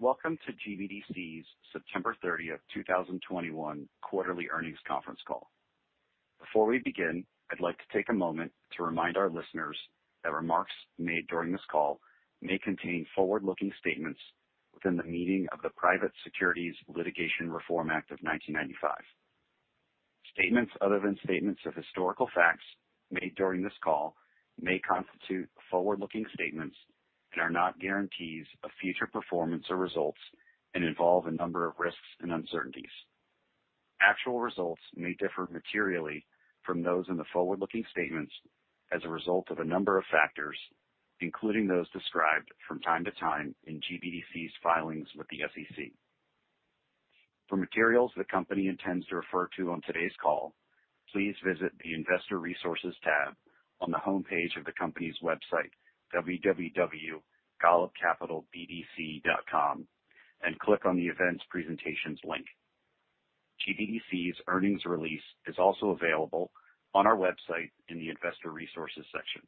Welcome to GBDC's September 30th, 2021 Quarterly Earnings Conference Call. Before we begin, I'd like to take a moment to remind our listeners that remarks made during this call may contain forward-looking statements within the meaning of the Private Securities Litigation Reform Act of 1995. Statements other than statements of historical facts made during this call may constitute forward-looking statements and are not guarantees of future performance or results and involve a number of risks and uncertainties. Actual results may differ materially from those in the forward-looking statements as a result of a number of factors, including those described from time to time in GBDC's filings with the SEC. For materials the company intends to refer to on today's call, please visit the Investor Resources tab on the homepage of the company's website, www.golubcapitalbdc.com, and click on the Events Presentations link. GBDC's earnings release is also available on our website in the Investor Resources section.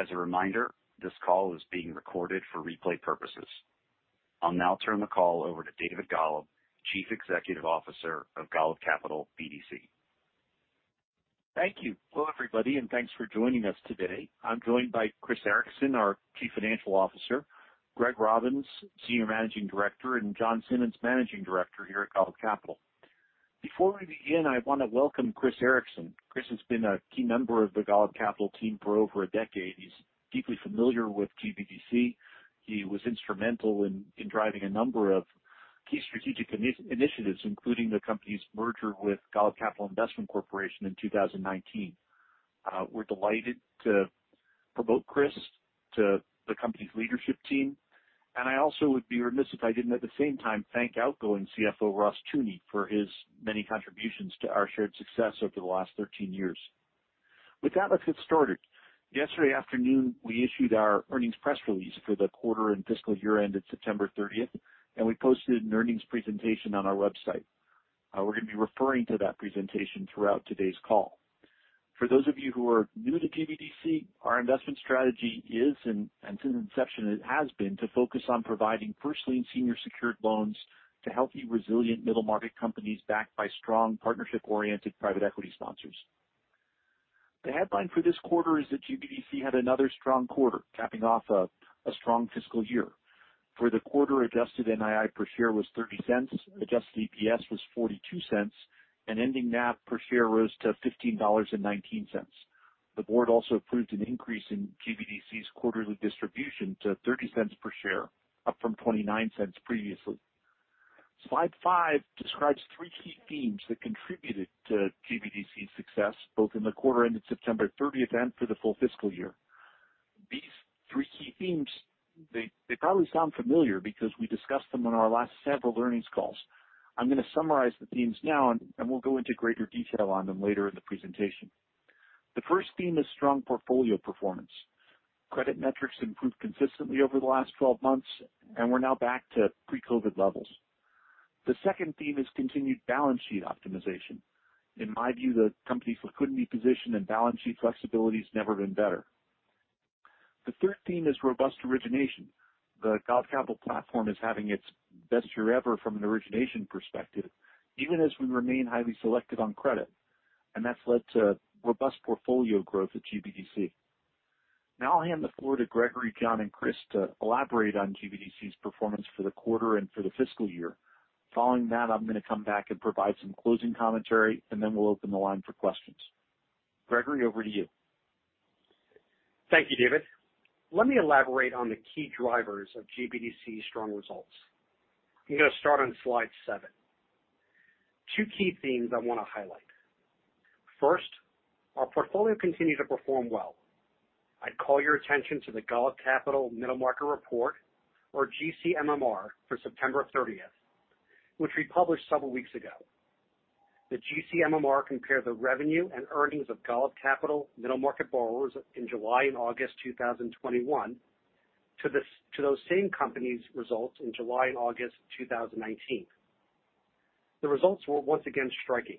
As a reminder, this call is being recorded for replay purposes. I'll now turn the call over to David Golub, Chief Executive Officer of Golub Capital BDC. Thank you. Hello, everybody, and thanks for joining us today. I'm joined by Chris Ericson, our Chief Financial Officer, Greg Robbins, Senior Managing Director, and Jon Simmons, Managing Director here at Golub Capital. Before we begin, I wanna welcome Chris Ericson. Chris has been a key member of the Golub Capital team for over a decade. He's deeply familiar with GBDC. He was instrumental in driving a number of key strategic initiatives, including the company's merger with Golub Capital Investment Corporation in 2019. We're delighted to promote Chris to the company's leadership team. I also would be remiss if I didn't, at the same time, thank outgoing CFO Ross Teune for his many contributions to our shared success over the last 13 years. With that, let's get started. Yesterday afternoon, we issued our earnings press release for the quarter and fiscal year ended September 30, and we posted an earnings presentation on our website. We're gonna be referring to that presentation throughout today's call. For those of you who are new to GBDC, our investment strategy is, and since inception it has been, to focus on providing first lien senior secured loans to healthy, resilient middle market companies backed by strong partnership-oriented private equity sponsors. The headline for this quarter is that GBDC had another strong quarter, capping off a strong fiscal year. For the quarter, adjusted NII per share was $0.30, adjusted EPS was $0.42, and ending NAV per share rose to $15.19. The board also approved an increase in GBDC's quarterly distribution to $0.30 per share, up from $0.29 previously. Slide five describes three key themes that contributed to GBDC's success, both in the quarter ended September 30 and for the full fiscal year. These three key themes, they probably sound familiar because we discussed them on our last several earnings calls. I'm gonna summarize the themes now and we'll go into greater detail on them later in the presentation. The first theme is strong portfolio performance. Credit metrics improved consistently over the last 12 months, and we're now back to pre-COVID levels. The second theme is continued balance sheet optimization. In my view, the company's liquidity position and balance sheet flexibility's never been better. The third theme is robust origination. The Golub Capital platform is having its best year ever from an origination perspective, even as we remain highly selective on credit, and that's led to robust portfolio growth at GBDC. Now I'll hand the floor to Gregory, John, and Chris to elaborate on GBDC's performance for the quarter and for the fiscal year. Following that, I'm gonna come back and provide some closing commentary, and then we'll open the line for questions. Gregory, over to you. Thank you, David. Let me elaborate on the key drivers of GBDC's strong results. I'm gonna start on slide seven. Two key themes I wanna highlight. First, our portfolio continued to perform well. I'd call your attention to the Golub Capital Middle Market Report, or GCMMR, for September 30th, which we published several weeks ago. The GCMMR compared the revenue and earnings of Golub Capital middle market borrowers in July and August 2021 to those same companies' results in July and August 2019. The results were once again striking.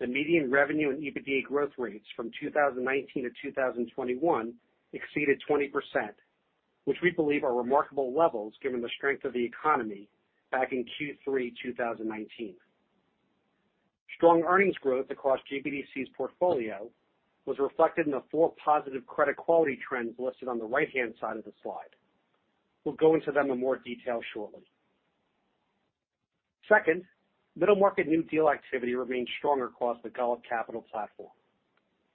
The median revenue and EBITDA growth rates from 2019 to 2021 exceeded 20%, which we believe are remarkable levels given the strength of the economy back in Q3 2019. Strong earnings growth across GBDC's portfolio was reflected in the four positive credit quality trends listed on the right-hand side of the slide. We'll go into them in more detail shortly. Second, middle market new deal activity remained strong across the Golub Capital platform.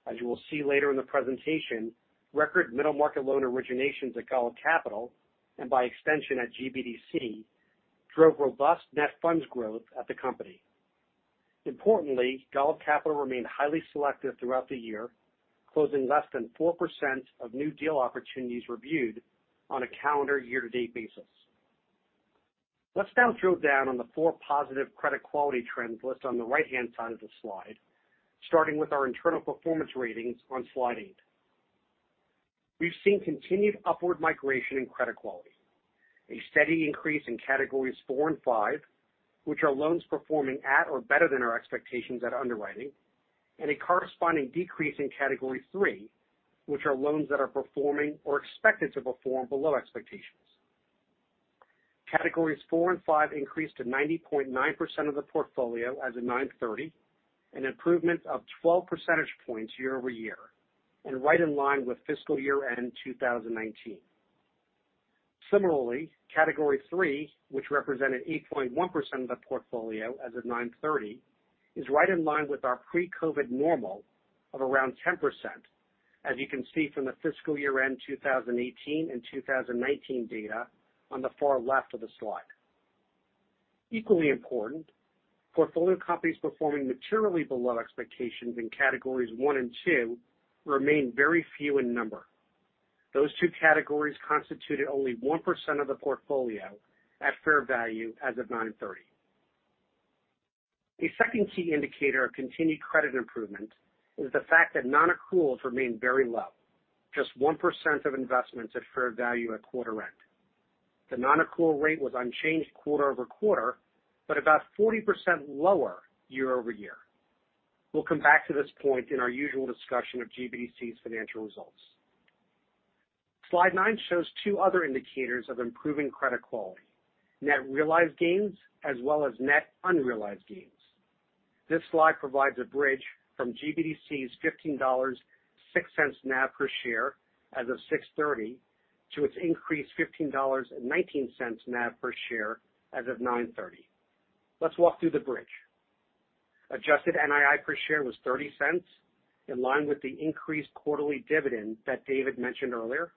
As you will see later in the presentation, record middle market loan originations at Golub Capital, and by extension at GBDC, drove robust net funds growth at the company. Importantly, Golub Capital remained highly selective throughout the year, closing less than 4% of new deal opportunities reviewed on a calendar year to date basis. Let's now drill down on the four positive credit quality trends listed on the right-hand side of the slide, starting with our internal performance ratings on slide eight. We've seen continued upward migration in credit quality. A steady increase in categories four and five, which are loans performing at or better than our expectations at underwriting, and a corresponding decrease in category three, which are loans that are performing or expected to perform below expectations. Categories four and five increased to 90.9% of the portfolio as of 9/30, an improvement of 12 percentage points year-over-year, and right in line with fiscal year-end 2019. Similarly, category three, which represented 8.1% of the portfolio as of 9/30, is right in line with our pre-COVID normal of around 10%, as you can see from the fiscal year-end 2018 and 2019 data on the far left of the slide. Equally important, portfolio companies performing materially below expectations in categories one and two remain very few in number. Those two categories constituted only 1% of the portfolio at fair value as of 9/30. A second key indicator of continued credit improvement is the fact that non-accruals remain very low, just 1% of investments at fair value at quarter end. The non-accrual rate was unchanged quarter-over-quarter, but about 40% lower year-over-year. We'll come back to this point in our usual discussion of GBDC's financial results. Slide nine shows two other indicators of improving credit quality, net realized gains as well as net unrealized gains. This slide provides a bridge from GBDC's $15.06 NAV per share as of 6/30 to its increased $15.19 NAV per share as of 9/30. Let's walk through the bridge. Adjusted NII per share was $0.30, in line with the increased quarterly dividend that David mentioned earlier.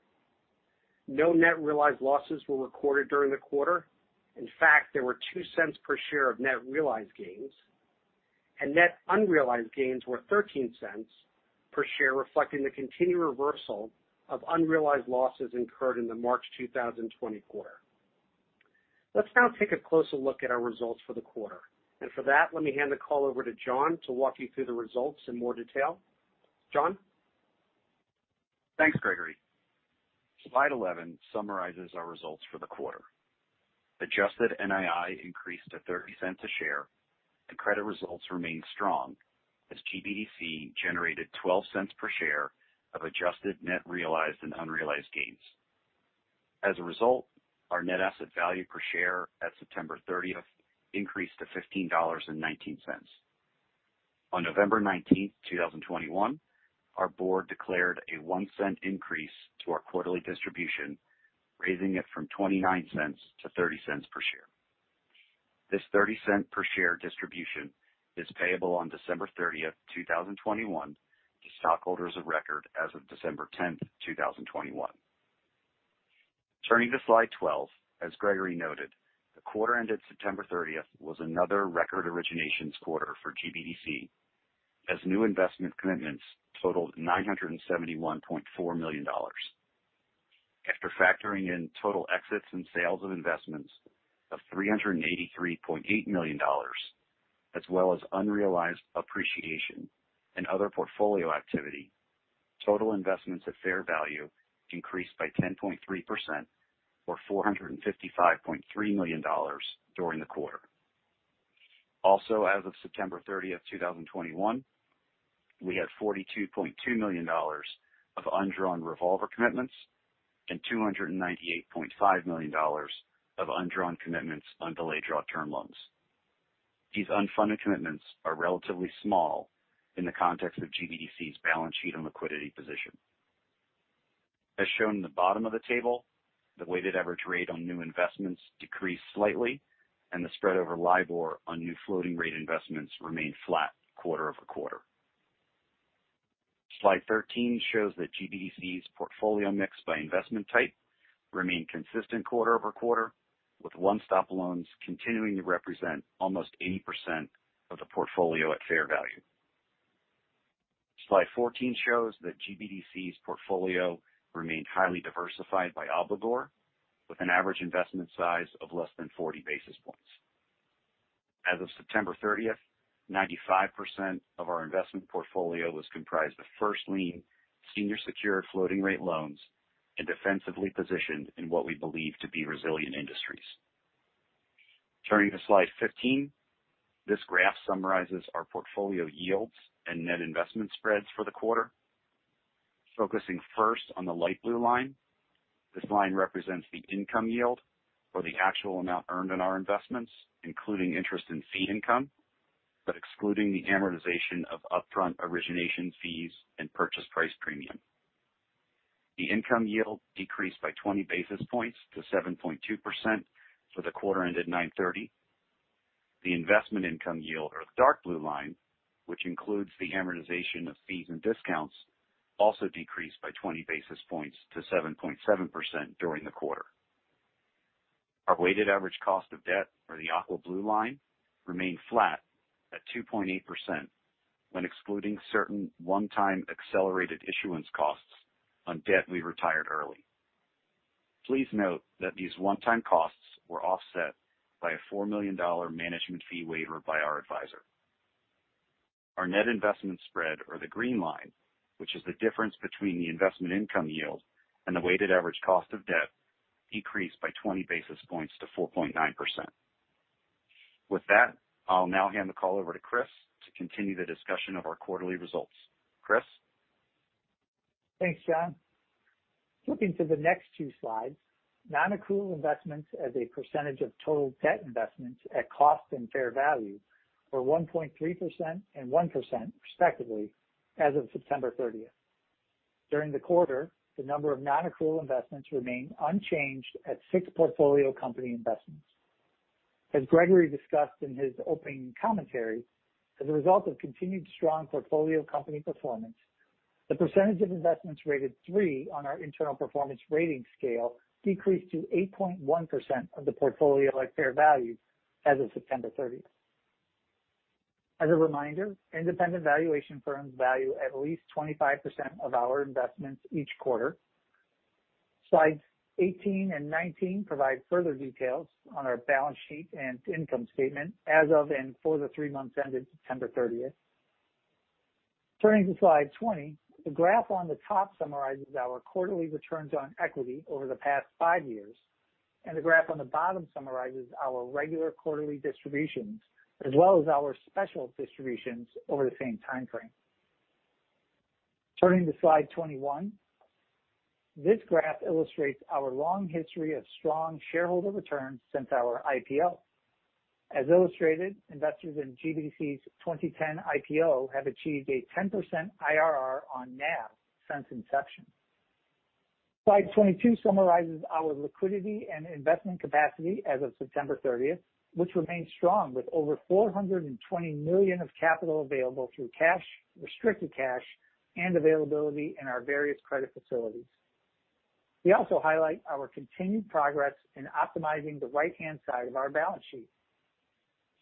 No net realized losses were recorded during the quarter. In fact, there were $0.02 per share of net realized gains. Net unrealized gains were $0.13 per share, reflecting the continued reversal of unrealized losses incurred in the March 2020 quarter. Let's now take a closer look at our results for the quarter. For that, let me hand the call over to Jon to walk you through the results in more detail. Jon? Thanks, Gregory. Slide 11 summarizes our results for the quarter. Adjusted NII increased to $0.30 per share and credit results remained strong as GBDC generated $0.12 per share of adjusted net realized and unrealized gains. As a result, our net asset value per share at September 30th increased to $15.19. On November 19th, 2021, our board declared a $0.01 increase to our quarterly distribution, raising it from $0.29-$0.30 per share. This $0.30 per share distribution is payable on December 30th, 2021 to stockholders of record as of December 10th, 2021. Turning to slide 12, as Gregory noted, the quarter ended September 30th was another record originations quarter for GBDC, as new investment commitments totaled $971.4 million. After factoring in total exits and sales of investments of $383.8 million, as well as unrealized appreciation and other portfolio activity, total investments at fair value increased by 10.3% or $455.3 million during the quarter. As of September 30th, 2021, we had $42.2 million of undrawn revolver commitments and $298.5 million of undrawn commitments on delayed draw term loans. These unfunded commitments are relatively small in the context of GBDC's balance sheet and liquidity position. As shown in the bottom of the table, the weighted average rate on new investments decreased slightly, and the spread over LIBOR on new floating rate investments remained flat quarter-over-quarter. Slide 13 shows that GBDC's portfolio mix by investment type remained consistent quarter-over-quarter, with one-stop loans continuing to represent almost 80% of the portfolio at fair value. Slide 14 shows that GBDC's portfolio remained highly diversified by obligor, with an average investment size of less than 40 basis points. As of September 30th, 95% of our investment portfolio was comprised of first lien senior secured floating rate loans and defensively positioned in what we believe to be resilient industries. Turning to slide 15, this graph summarizes our portfolio yields and net investment spreads for the quarter. Focusing first on the light blue line, this line represents the income yield or the actual amount earned on our investments, including interest in fee income, but excluding the amortization of upfront origination fees and purchase price premium. The income yield decreased by 20 basis points to 7.2% for the quarter ended 9/30. The investment income yield or the dark blue line, which includes the amortization of fees and discounts, also decreased by 20 basis points to 7.7% during the quarter. Our weighted average cost of debt or the aqua blue line remained flat at 2.8% when excluding certain one-time accelerated issuance costs on debt we retired early. Please note that these one-time costs were offset by a $4 million management fee waiver by our advisor. Our net investment spread or the green line, which is the difference between the investment income yield and the weighted average cost of debt, decreased by 20 basis points to 4.9%. With that, I'll now hand the call over to Chris to continue the discussion of our quarterly results. Chris. Thanks, Jon. Flipping to the next two slides. Non-accrual investments as a percentage of total debt investments at cost and fair value were 1.3% and 1% respectively as of September 30th. During the quarter, the number of non-accrual investments remained unchanged at six portfolio company investments. As Gregory discussed in his opening commentary, as a result of continued strong portfolio company performance, the percentage of investments rated three on our internal performance rating scale decreased to 8.1% of the portfolio at fair value as of September 30th. As a reminder, independent valuation firms value at least 25% of our investments each quarter. Slides 18 and 19 provide further details on our balance sheet and income statement as of and for the three months ended September 30th. Turning to slide 20. The graph on the top summarizes our quarterly returns on equity over the past five years, and the graph on the bottom summarizes our regular quarterly distributions as well as our special distributions over the same time frame. Turning to slide 21. This graph illustrates our long history of strong shareholder returns since our IPO. As illustrated, investors in GBDC's 2010 IPO have achieved a 10% IRR on NAV since inception. Slide 22 summarizes our liquidity and investment capacity as of September 30th, which remains strong with over $420 million of capital available through cash, restricted cash, and availability in our various credit facilities. We also highlight our continued progress in optimizing the right-hand side of our balance sheet.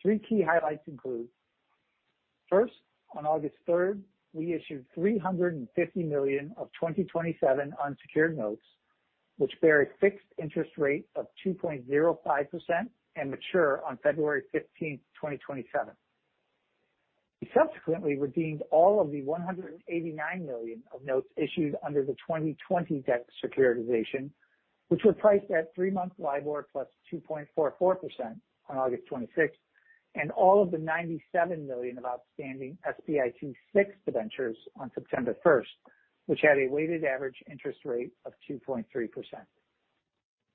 Three key highlights include. First, on August 3rd, we issued $350 million of 2027 unsecured notes, which bear a fixed interest rate of 2.05% and mature on February 15th, 2027. We subsequently redeemed all of the $189 million of notes issued under the 2020 debt securitization, which were priced at three-month LIBOR plus 2.44% on August 26th, and all of the $97 million of outstanding SBIC six debentures on September 1st, which had a weighted average interest rate of 2.3%.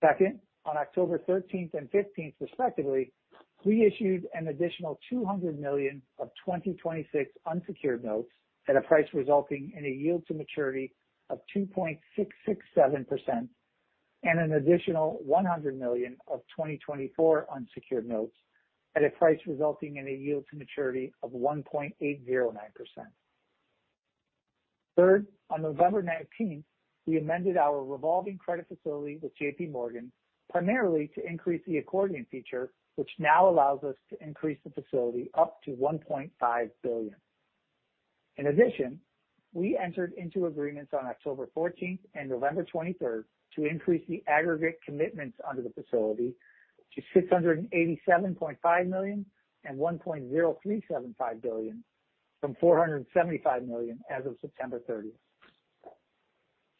Second, on October 13th and 15th respectively, we issued an additional $200 million of 2026 unsecured notes at a price resulting in a yield to maturity of 2.6667% and an additional $100 million of 2024 unsecured notes at a price resulting in a yield to maturity of 1.809%. Third, on November 19th, we amended our revolving credit facility with JPMorgan, primarily to increase the accordion feature, which now allows us to increase the facility up to $1.5 billion. In addition, we entered into agreements on October 14th and November 23rd to increase the aggregate commitments under the facility to $687.5 million and $1.0375 billion from $475 million as of September 30th.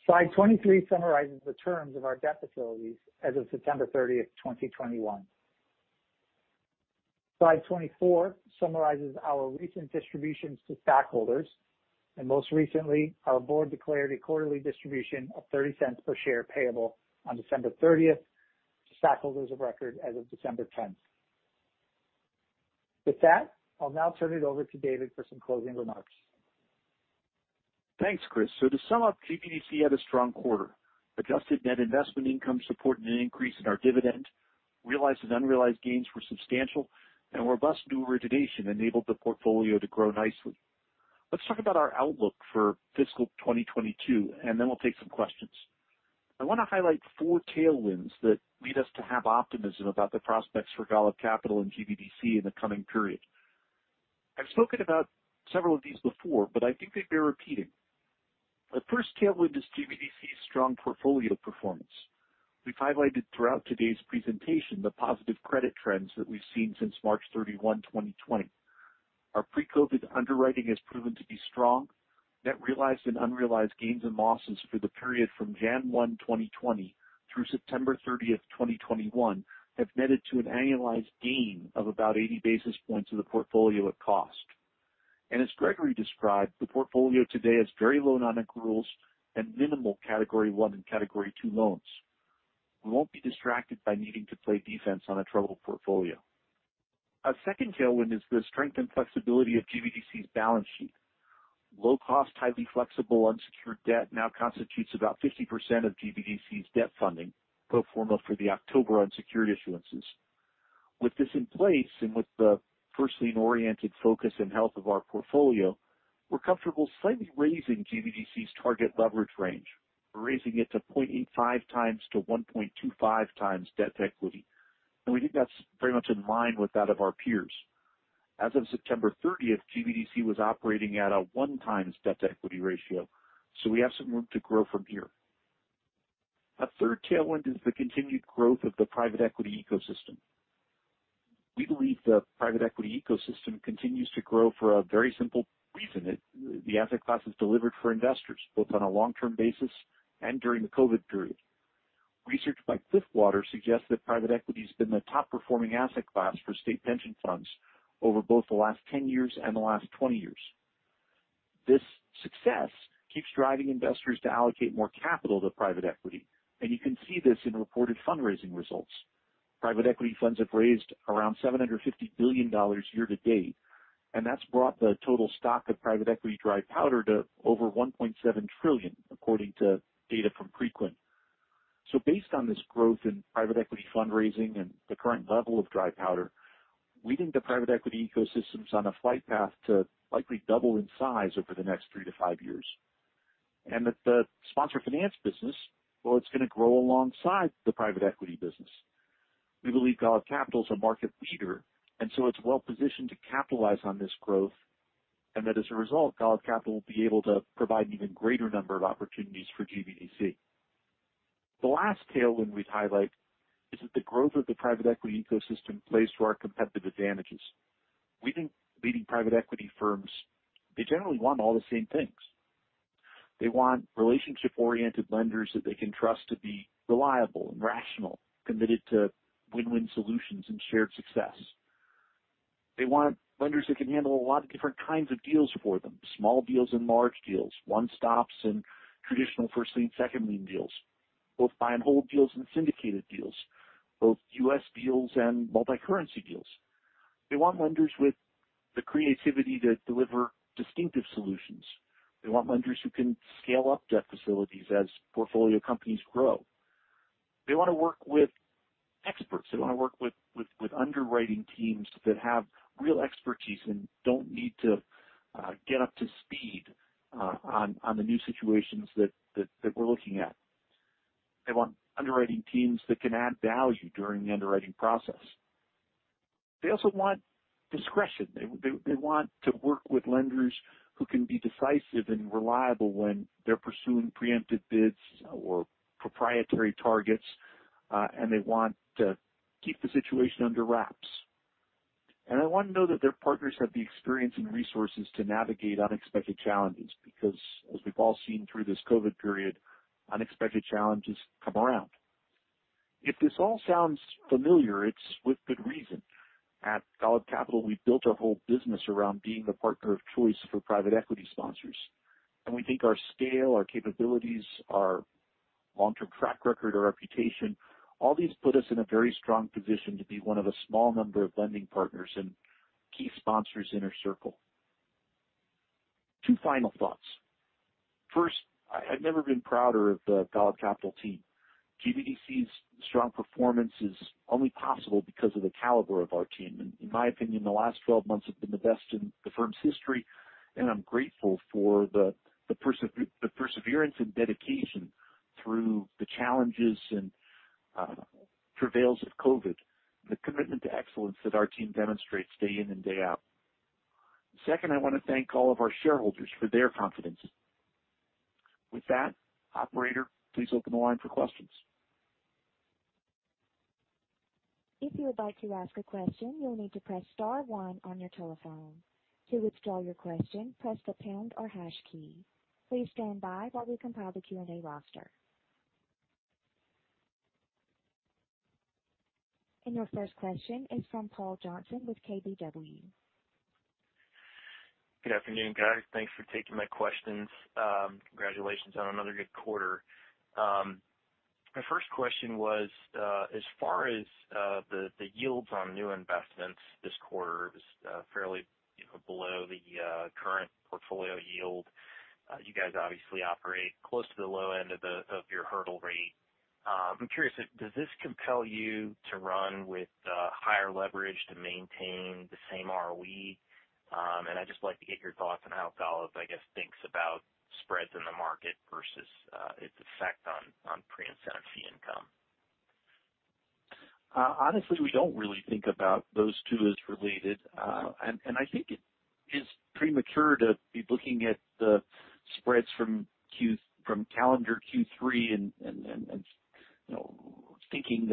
Slide 23 summarizes the terms of our debt facilities as of September 30th, 2021. Slide 24 summarizes our recent distributions to stockholders. Most recently, our board declared a quarterly distribution of $0.30 per share payable on December 30th to stockholders of record as of December 10th. With that, I'll now turn it over to David for some closing remarks. Thanks, Chris. To sum up, GBDC had a strong quarter. Adjusted net investment income supported an increase in our dividend. Realized and unrealized gains were substantial. Robust new origination enabled the portfolio to grow nicely. Let's talk about our outlook for fiscal 2022, and then we'll take some questions. I want to highlight four tailwinds that lead us to have optimism about the prospects for Golub Capital and GBDC in the coming period. I've spoken about several of these before, but I think they bear repeating. The first tailwind is GBDC's strong portfolio performance. We've highlighted throughout today's presentation the positive credit trends that we've seen since March 31st, 2020. Our pre-COVID underwriting has proven to be strong. Net realized and unrealized gains and losses for the period from January 1, 2020 through September 30th, 2021 have netted to an annualized gain of about 80 basis points of the portfolio at cost. As Gregory described, the portfolio today has very low non-accruals and minimal Category One and Category Two loans. We won't be distracted by needing to play defense on a troubled portfolio. Our second tailwind is the strength and flexibility of GBDC's balance sheet. Low cost, highly flexible unsecured debt now constitutes about 50% of GBDC's debt funding pro forma for the October unsecured issuances. With this in place, and with the first lien-oriented focus and health of our portfolio, we're comfortable slightly raising GBDC's target leverage range. We're raising it to 0.85x-1.25x debt to equity, and we think that's very much in line with that of our peers. As of September 30th, GBDC was operating at a 1x debt to equity ratio, so we have some room to grow from here. A third tailwind is the continued growth of the private equity ecosystem. We believe the private equity ecosystem continues to grow for a very simple reason. The asset class has delivered for investors, both on a long-term basis and during the COVID period. Research by Cliffwater suggests that private equity has been the top performing asset class for state pension funds over both the last 10 years and the last 20 years. This success keeps driving investors to allocate more capital to private equity, and you can see this in reported fundraising results. Private equity funds have raised around $750 billion year to date, and that's brought the total stock of private equity dry powder to over $1.7 trillion, according to data from Preqin. Based on this growth in private equity fundraising and the current level of dry powder, we think the private equity ecosystem is on a flight path to likely double in size over the next three to five years. That the sponsor finance business, well, it's going to grow alongside the private equity business. We believe Golub Capital is a market leader, and so it's well positioned to capitalize on this growth. That as a result, Golub Capital will be able to provide an even greater number of opportunities for GBDC. The last tailwind we'd highlight is that the growth of the private equity ecosystem plays to our competitive advantages. We think leading private equity firms, they generally want all the same things. They want relationship-oriented lenders that they can trust to be reliable and rational, committed to win-win solutions and shared success. They want lenders that can handle a lot of different kinds of deals for them. Small deals and large deals, one-stops and traditional first lien, second lien deals. Both buy and hold deals and syndicated deals. Both U.S. deals and multi-currency deals. They want lenders with the creativity to deliver distinctive solutions. They want lenders who can scale up debt facilities as portfolio companies grow. They want to work with experts. They want to work with underwriting teams that have real expertise and don't need to get up to speed on the new situations that we're looking at. They want underwriting teams that can add value during the underwriting process. They also want discretion. They want to work with lenders who can be decisive and reliable when they're pursuing preempted bids or proprietary targets, and they want to keep the situation under wraps. They want to know that their partners have the experience and resources to navigate unexpected challenges because as we've all seen through this COVID period, unexpected challenges come around. If this all sounds familiar, it's with good reason. At Golub Capital, we've built our whole business around being the partner of choice for private equity sponsors. We think our scale, our capabilities, our long-term track record, our reputation, all these put us in a very strong position to be one of a small number of lending partners in key sponsors inner circle. Two final thoughts. First, I've never been prouder of the Golub Capital team. GBDC's strong performance is only possible because of the caliber of our team. In my opinion, the last 12 months have been the best in the firm's history, and I'm grateful for the perseverance and dedication through the challenges and travails of COVID. The commitment to excellence that our team demonstrates day in and day out. Second, I want to thank all of our shareholders for their confidence. With that, operator, please open the line for questions. Your first question is from Paul Johnson with KBW. Good afternoon, guys. Thanks for taking my questions. Congratulations on another good quarter. My first question was, as far as the yields on new investments this quarter is fairly, you know, below the current portfolio yield. You guys obviously operate close to the low end of your hurdle rate. I'm curious, does this compel you to run with higher leverage to maintain the same ROE? I'd just like to get your thoughts on how Golub, I guess, thinks about spreads in the market versus its effect on pre-incentive fee income. Honestly, we don't really think about those two as related. I think it is premature to be looking at the spreads from calendar Q3 and, you know, thinking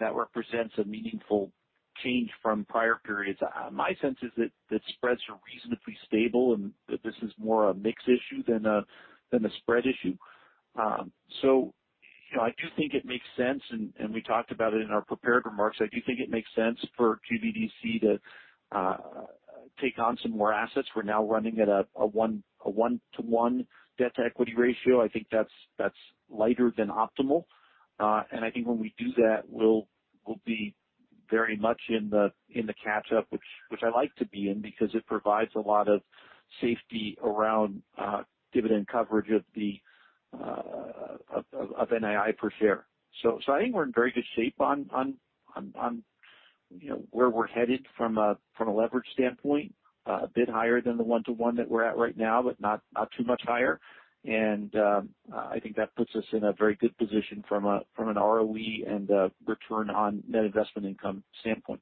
that represents a meaningful change from prior periods. My sense is that spreads are reasonably stable and that this is more a mix issue than a spread issue. You know, I do think it makes sense, and we talked about it in our prepared remarks. I do think it makes sense for GBDC to take on some more assets. We're now running at a one-to-one debt-to-equity ratio. I think that's lighter than optimal. I think when we do that, we'll be very much in the catch-up, which I like to be in because it provides a lot of safety around dividend coverage of NII per share. I think we're in very good shape on you know where we're headed from a leverage standpoint. A bit higher than the one-to-one that we're at right now, but not too much higher. I think that puts us in a very good position from an ROE and return on net investment income standpoint.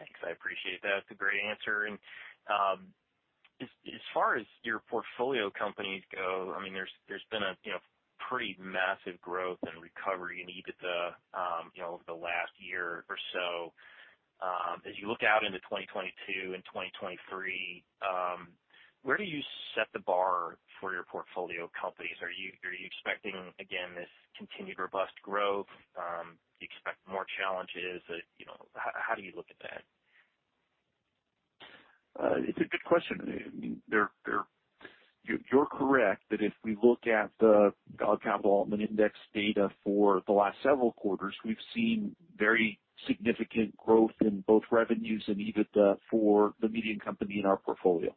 Okay. That's a great answer. As far as your portfolio companies go, I mean, there's been a you know pretty massive growth and recovery in EBITDA, you know, over the last year or so. As you look out into 2022 and 2023, where do you set the bar for your portfolio companies? Are you expecting, again, this continued robust growth? Do you expect more challenges? You know, how do you look at that? It's a good question. I mean, you're correct that if we look at the The Golub Capital Middle Market Report data for the last several quarters, we've seen very significant growth in both revenues and EBITDA for the median company in our portfolio.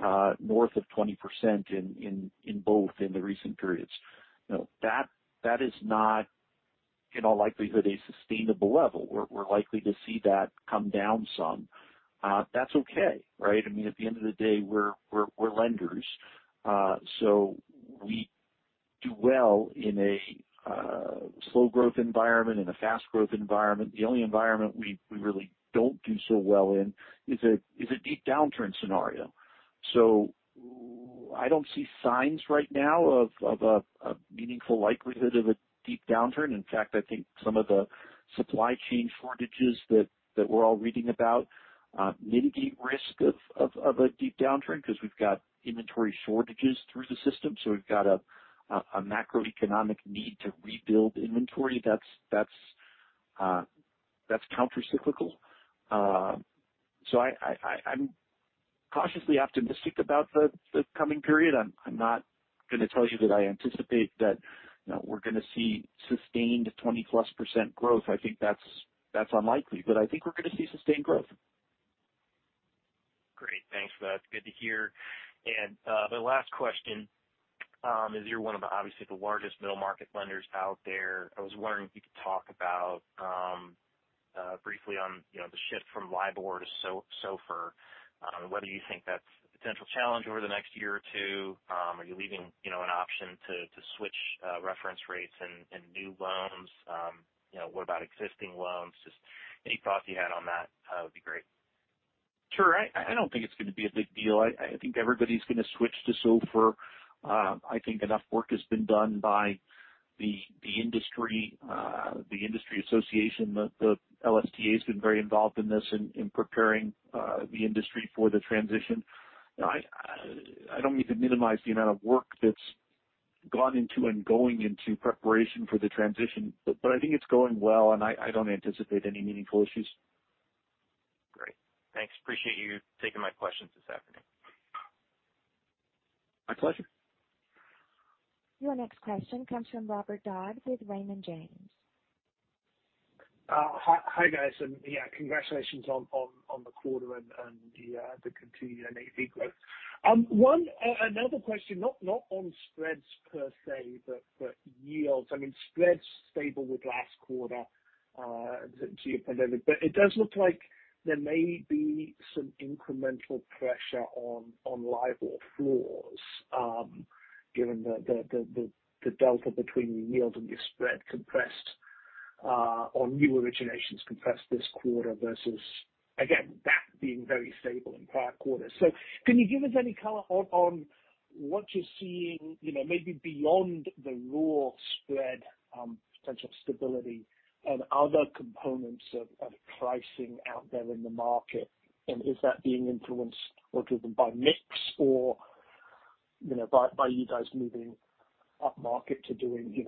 North of 20% in both in the recent periods. You know, that is not, in all likelihood, a sustainable level. We're likely to see that come down some. That's okay, right? I mean, at the end of the day, we're lenders. We do well in a slow growth environment, in a fast growth environment. The only environment we really don't do so well in is a deep downturn scenario. I don't see signs right now of a meaningful likelihood of a deep downturn. In fact, I think some of the supply chain shortages that we're all reading about mitigate risk of a deep downturn because we've got inventory shortages through the system. We've got a macroeconomic need to rebuild inventory that's countercyclical. I'm cautiously optimistic about the coming period. I'm not gonna tell you that I anticipate that, you know, we're gonna see sustained 20%+ growth. I think that's unlikely. I think we're gonna see sustained growth. Great. Thanks. That's good to hear. The last question, as you're one of the obviously the largest middle market lenders out there, I was wondering if you could talk about briefly on, you know, the shift from LIBOR to SOFR. Whether you think that's a potential challenge over the next year or two. Are you leaving, you know, an option to switch reference rates in new loans? You know, what about existing loans? Just any thoughts you had on that would be great. Sure. I don't think it's gonna be a big deal. I think everybody's gonna switch to SOFR. I think enough work has been done by the industry association. The LSTA has been very involved in this, in preparing the industry for the transition. I don't mean to minimize the amount of work that's gone into and going into preparation for the transition, but I think it's going well, and I don't anticipate any meaningful issues. Great. Thanks. Appreciate you taking my questions this afternoon. My pleasure. Your next question comes from Robert Dodd with Raymond James. Hi guys. Yeah, congratulations on the quarter and the continued NAV growth. Another question, not on spreads per se, but yields. I mean, spreads stable with last quarter, geopolitical. But it does look like there may be some incremental pressure on LIBOR floors, given the delta between your yield and your spread compressed on new originations this quarter versus that being very stable in prior quarters. So can you give us any color on what you're seeing, you know, maybe beyond the raw spread, potential stability and other components of pricing out there in the market? And is that being influenced or driven by mix or, you know, by you guys moving upmarket to doing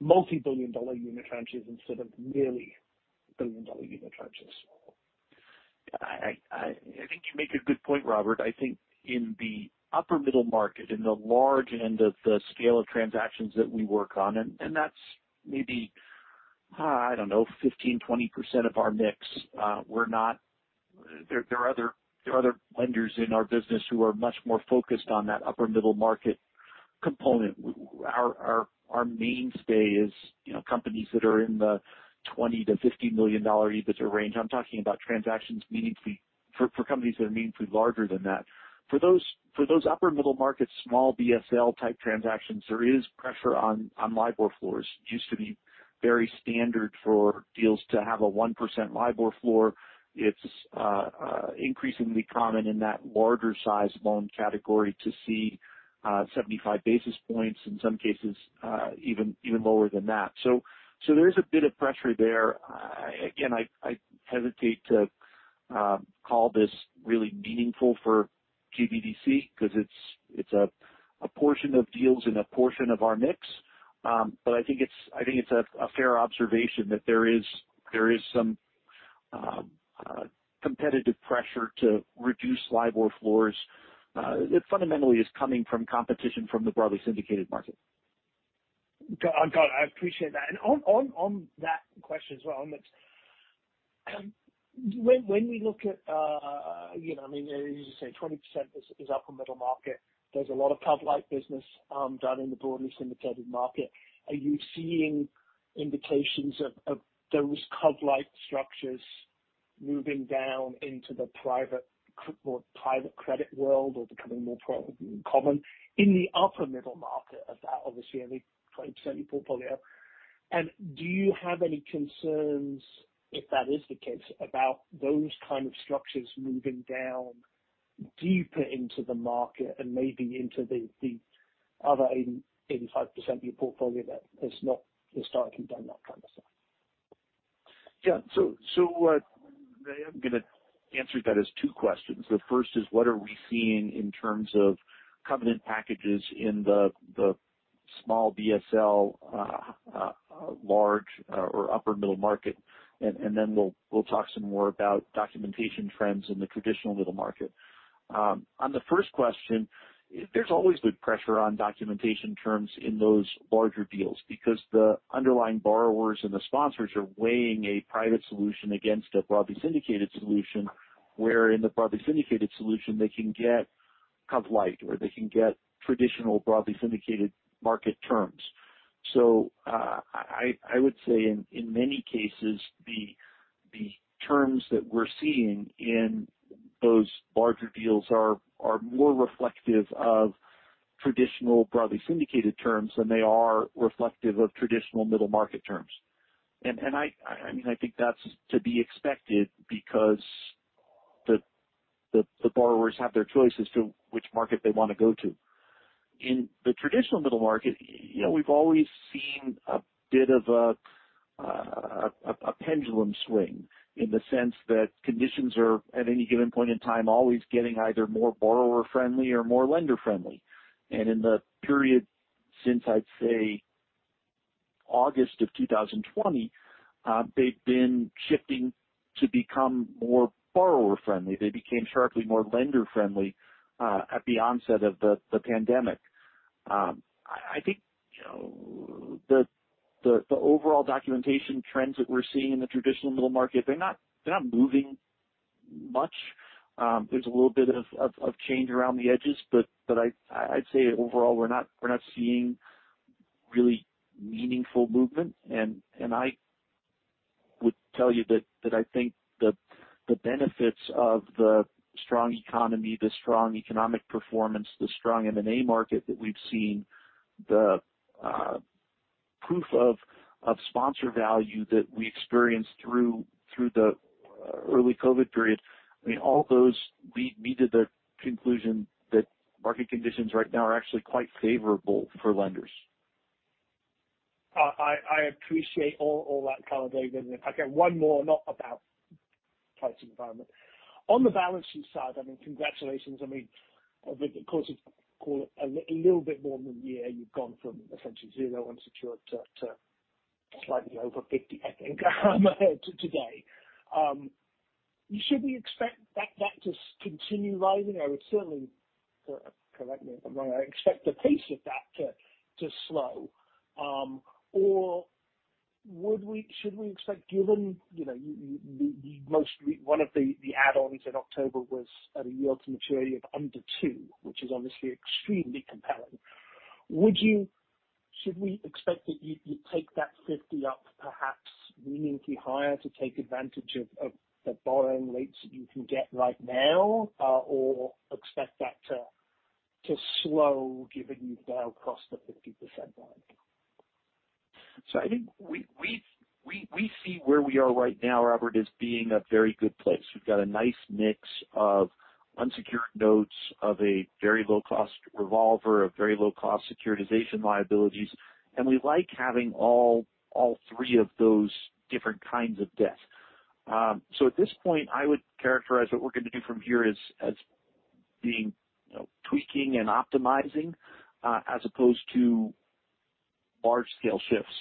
multi-billion-dollar unitranches instead of merely billion-dollar unitranches? I think you make a good point, Robert. I think in the upper middle market, in the large end of the scale of transactions that we work on, and that's maybe, I don't know, 15%-20% of our mix. We're not. There are other lenders in our business who are much more focused on that upper middle market component. Our mainstay is, you know, companies that are in the $20 million-$50 million EBITDA range. I'm talking about transactions for companies that are meaningfully larger than that. For those upper middle markets, small BSL-type transactions, there is pressure on LIBOR floors. Used to be very standard for deals to have a 1% LIBOR floor. It's increasingly common in that larger size loan category to see 75 basis points, in some cases, even lower than that. There is a bit of pressure there. Again, I hesitate to call this really meaningful for GBDC because it's a portion of deals and a portion of our mix. I think it's a fair observation that there is some competitive pressure to reduce LIBOR floors. It fundamentally is coming from competition from the broadly syndicated market. I appreciate that. On that question as well, on the when we look at, you know, I mean, as you say, 20% is upper middle market. There's a lot of cov-lite business done in the broadly syndicated market. Are you seeing indications of those cov-lite structures moving down into the private credit world or becoming more common in the upper middle market? Obviously only 20% of your portfolio. Do you have any concerns, if that is the case, about those kind of structures moving down deeper into the market and maybe into the other 80%-85% of your portfolio that has not historically done that kind of stuff? Yeah. So, I am gonna answer that as two questions. The first is what are we seeing in terms of covenant packages in the small BSL, large, or upper middle market? Then we'll talk some more about documentation trends in the traditional middle market. On the first question, there's always been pressure on documentation terms in those larger deals because the underlying borrowers and the sponsors are weighing a private solution against a broadly syndicated solution, where in the broadly syndicated solution they can get cov-lite or they can get traditional broadly syndicated market terms. I would say in many cases the terms that we're seeing in those larger deals are more reflective of traditional broadly syndicated terms than they are reflective of traditional middle market terms. I mean, I think that's to be expected because the borrowers have their choice as to which market they wanna go to. In the traditional middle market, you know, we've always seen a bit of a pendulum swing in the sense that conditions are, at any given point in time, always getting either more borrower friendly or more lender friendly. In the period since, I'd say August of 2020, they've been shifting to become more borrower friendly. They became sharply more lender friendly at the onset of the pandemic. I think, you know, the overall documentation trends that we're seeing in the traditional middle market, they're not moving much. There's a little bit of change around the edges, but I'd say overall we're not seeing really meaningful movement. I would tell you that I think the benefits of the strong economy, the strong economic performance, the strong M&A market that we've seen, the proof of sponsor value that we experienced through the early COVID period, I mean, all those lead me to the conclusion that market conditions right now are actually quite favorable for lenders. I appreciate all that color, David. If I get one more not about pricing environment. On the balance sheet side, I mean, congratulations. I mean, over the course of, call it a little bit more than a year, you've gone from essentially zero unsecured to slightly over $50, I think, today. Should we expect that to continue rising? I would certainly correct me if I'm wrong, I expect the pace of that to slow. Or should we expect, given you know the most recent one of the add-ons in October was at a yield to maturity of under 2%, which is obviously extremely compelling. Should we expect that you'd take that 50 up perhaps meaningfully higher to take advantage of the borrowing rates that you can get right now, or expect that to slow given you've now crossed the 50% line? I think we see where we are right now, Robert, as being a very good place. We've got a nice mix of unsecured notes, of a very low cost revolver, of very low cost securitization liabilities, and we like having all three of those different kinds of debt. I would characterize what we're going to do from here as being, you know, tweaking and optimizing as opposed to large scale shifts.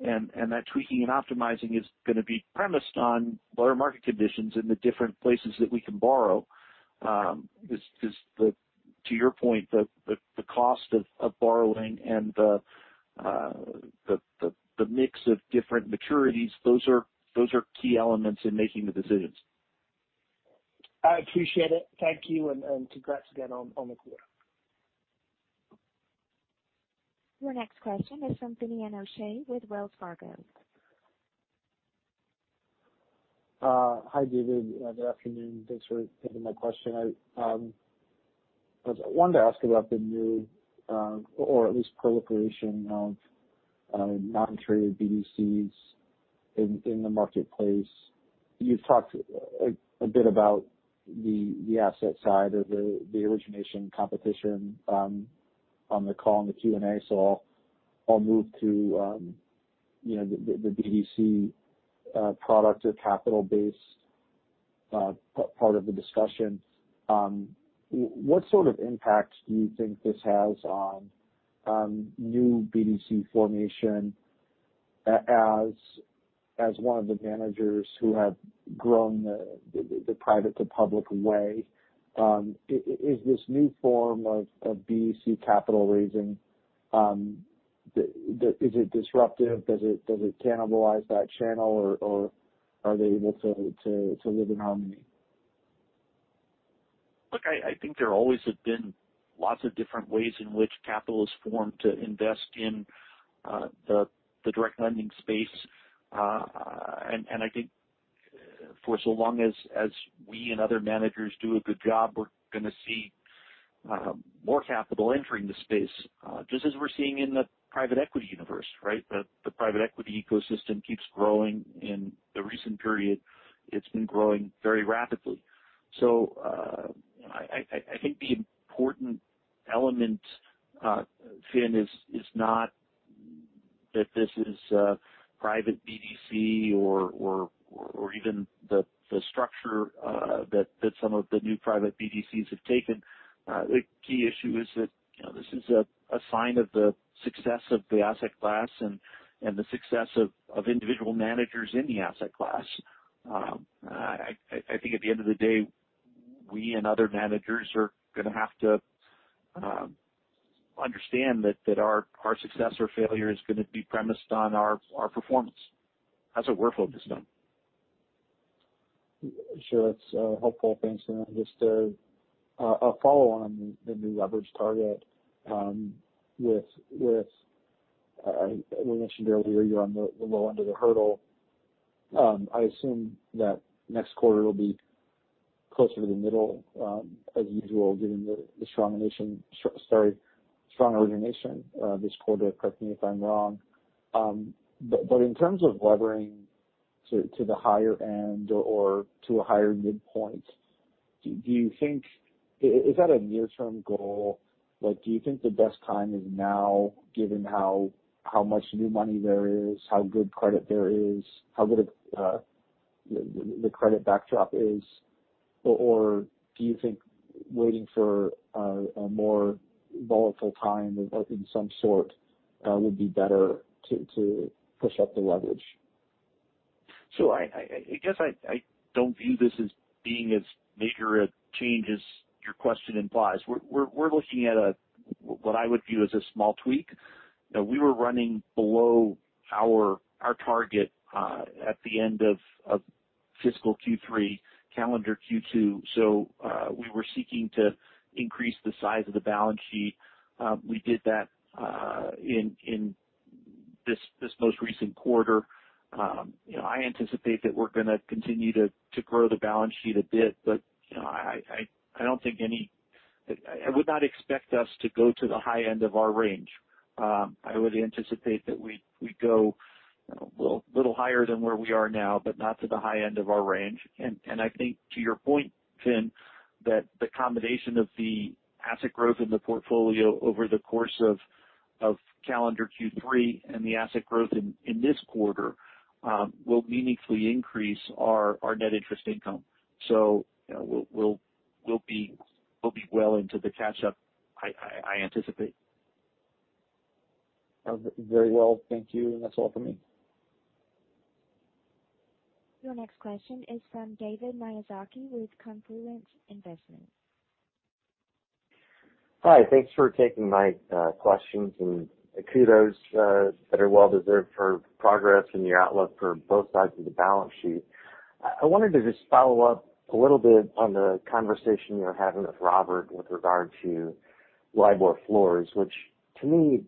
That tweaking and optimizing is gonna be premised on broader market conditions in the different places that we can borrow. To your point, the cost of borrowing and the mix of different maturities, those are key elements in making the decisions. I appreciate it. Thank you. Congrats again on the quarter. Your next question is from Finian O'Shea with Wells Fargo. Hi, David. Good afternoon. Thanks for taking my question. I was wanting to ask about the new, or at least proliferation of, non-traded BDCs in the marketplace. You've talked a bit about the asset side of the origination competition on the call, in the Q&A, so I'll move to, you know, the BDC product or capital base, part of the discussion. What sort of impacts do you think this has on new BDC formation as one of the managers who have grown the private to public way? Is this new form of BDC capital raising disruptive? Does it cannibalize that channel or are they able to live in harmony? Look, I think there always have been lots of different ways in which capital is formed to invest in the direct lending space. I think for so long as we and other managers do a good job, we're gonna see more capital entering the space, just as we're seeing in the private equity universe, right? The private equity ecosystem keeps growing. In the recent period, it's been growing very rapidly. I think the important element, Finn, is not that this is a private BDC or even the structure that some of the new private BDCs have taken. The key issue is that, you know, this is a sign of the success of the asset class and the success of individual managers in the asset class. I think at the end of the day, we and other managers are gonna have to understand that our success or failure is gonna be premised on our performance. That's what we're focused on. Sure. That's helpful. Thanks for that. Just a follow on the new leverage target. We mentioned earlier you're on the low end of the hurdle. I assume that next quarter will be closer to the middle, as usual, given the strong origination this quarter. Correct me if I'm wrong. But in terms of levering to the higher end or to a higher midpoint, do you think? Is that a near-term goal? Like, do you think the best time is now, given how much new money there is, how good credit there is, how good the credit backdrop is? Or do you think waiting for a more volatile time of some sort would be better to push up the leverage? I guess I don't view this as being as major a change as your question implies. We're looking at a what I would view as a small tweak. You know, we were running below our target at the end of fiscal Q3, calendar Q2. We were seeking to increase the size of the balance sheet. We did that in this most recent quarter. You know, I anticipate that we're gonna continue to grow the balance sheet a bit. You know, I would not expect us to go to the high end of our range. I would anticipate that we'd go, you know, a little higher than where we are now, but not to the high end of our range. I think to your point, Finn, that the combination of the asset growth in the portfolio over the course of calendar Q3 and the asset growth in this quarter will meaningfully increase our net interest income. You know, we'll be well into the catch-up I anticipate. Very well. Thank you. That's all for me. Your next question is from David Miyazaki with Confluence Investment Management. Hi. Thanks for taking my questions and kudos that are well-deserved for progress and your outlook for both sides of the balance sheet. I wanted to just follow up a little bit on the conversation you were having with Robert with regard to LIBOR floors, which to me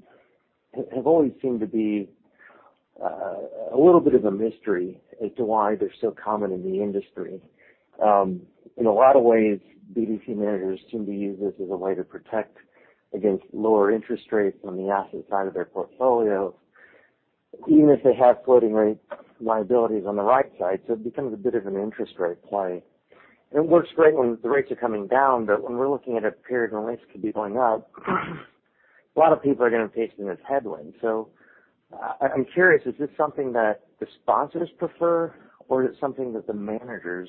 have always seemed to be a little bit of a mystery as to why they're so common in the industry. In a lot of ways, BDC managers seem to use this as a way to protect against lower interest rates on the asset side of their portfolios, even if they have floating rate liabilities on the right side. It becomes a bit of an interest rate play. It works great when the rates are coming down, but when we're looking at a period when rates could be going up, a lot of people are gonna face them as headwinds. I'm curious, is this something that the sponsors prefer or is it something that the managers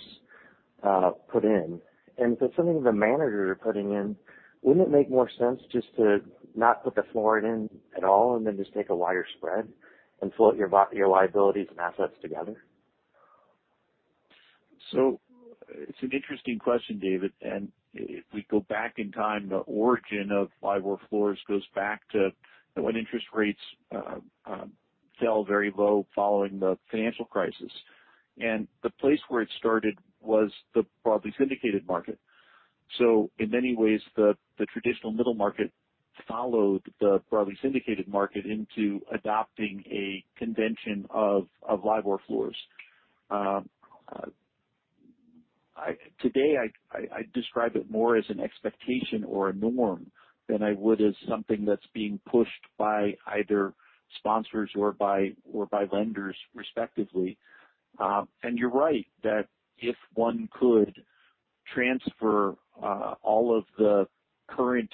put in? If it's something the managers are putting in, wouldn't it make more sense just to not put the floor in at all and then just take a wider spread and float your liabilities and assets together? It's an interesting question, David, and if we go back in time, the origin of LIBOR floors goes back to when interest rates fell very low following the financial crisis. The place where it started was the broadly syndicated market. In many ways the traditional middle market followed the broadly syndicated market into adopting a convention of LIBOR floors. Today I describe it more as an expectation or a norm than I would as something that's being pushed by either sponsors or by lenders respectively. You're right that if one could transfer all of the current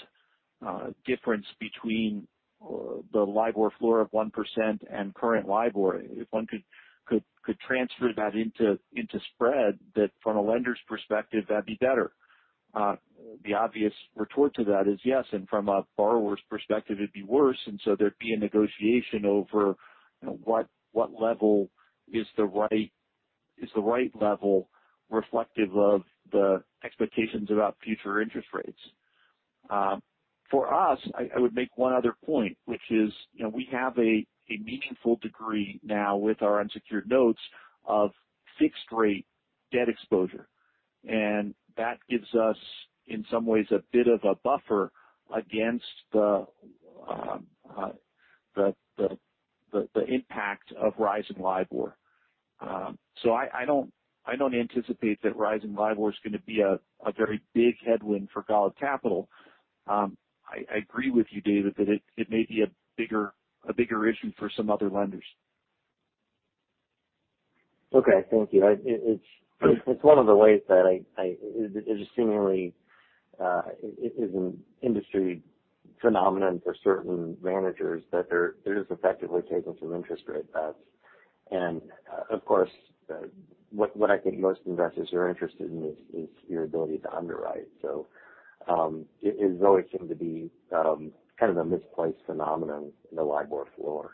difference between the LIBOR floor of 1% and current LIBOR. If one could transfer that into spread that from a lender's perspective, that'd be better. The obvious retort to that is yes. From a borrower's perspective it'd be worse. There'd be a negotiation over, you know, what level is the right level reflective of the expectations about future interest rates. For us, I would make one other point, which is, you know, we have a meaningful degree now with our unsecured notes of fixed rate debt exposure. That gives us, in some ways, a bit of a buffer against the impact of rising LIBOR. I don't anticipate that rising LIBOR is gonna be a very big headwind for Golub Capital. I agree with you, David, that it may be a bigger issue for some other lenders. Okay. Thank you. It's one of the ways it just seemingly is an industry phenomenon for certain managers that they're just effectively taking some interest rate bets. Of course, what I think most investors are interested in is your ability to underwrite. It always seemed to be kind of a misplaced phenomenon in the LIBOR floor.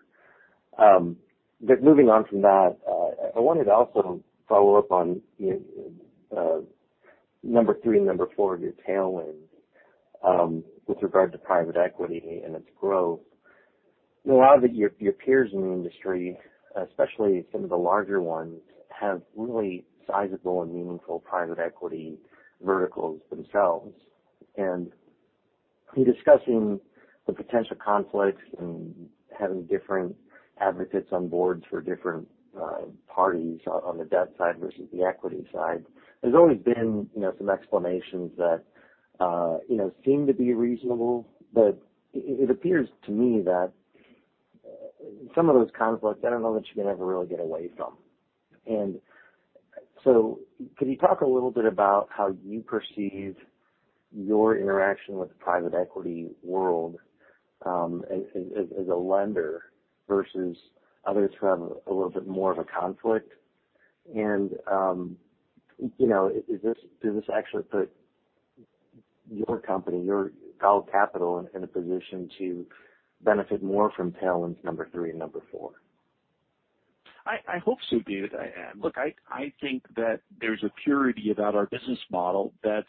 Moving on from that, I wanted to also follow up on, you know, number three and number four of your tailwinds with regard to private equity and its growth. You know, a lot of your peers in the industry, especially some of the larger ones, have really sizable and meaningful private equity verticals themselves. In discussing the potential conflicts and having different advocates on board for different parties on the debt side versus the equity side, there's always been, you know, some explanations that seem to be reasonable. It appears to me that some of those conflicts, I don't know that you can ever really get away from. Could you talk a little bit about how you perceive your interaction with the private equity world as a lender versus others who have a little bit more of a conflict? You know, does this actually put your company, your Golub Capital, in a position to benefit more from tailwinds number three and number four? I hope so, David. Look, I think that there's a purity about our business model that's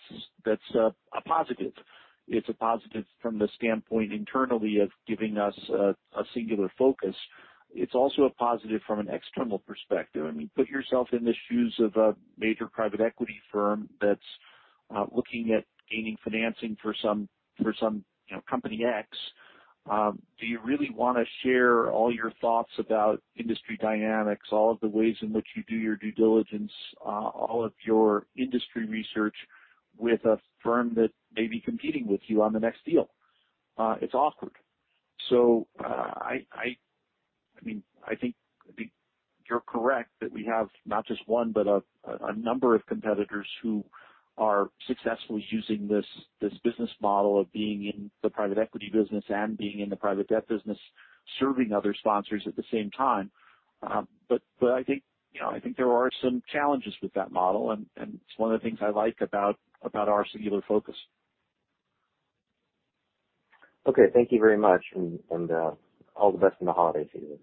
a positive. It's a positive from the standpoint internally of giving us a singular focus. It's also a positive from an external perspective. I mean, put yourself in the shoes of a major private equity firm that's looking at gaining financing for some you know company X. Do you really wanna share all your thoughts about industry dynamics, all of the ways in which you do your due diligence, all of your industry research with a firm that may be competing with you on the next deal? It's awkward. I I mean, I think you're correct that we have not just one, but a number of competitors who are successfully using this business model of being in the private equity business and being in the private debt business, serving other sponsors at the same time. But I think, you know, I think there are some challenges with that model, and it's one of the things I like about our singular focus. Okay. Thank you very much. All the best in the holidays to you.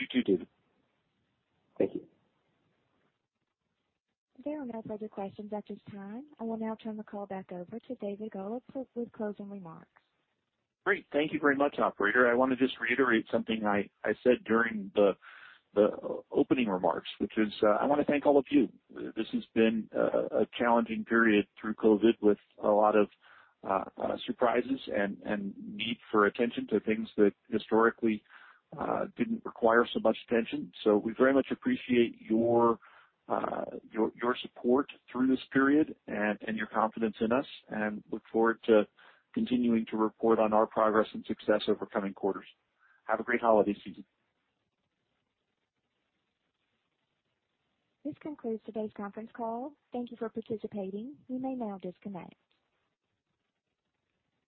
You too, David. Thank you. There are no further questions at this time. I will now turn the call back over to David Golub for closing remarks. Great. Thank you very much, operator. I wanna just reiterate something I said during the opening remarks, which is, I wanna thank all of you. This has been a challenging period through COVID with a lot of surprises and need for attention to things that historically didn't require so much attention. We very much appreciate your support through this period and your confidence in us, and look forward to continuing to report on our progress and success over coming quarters. Have a great holiday season. This concludes today's conference call. Thank you for participating. You may now disconnect.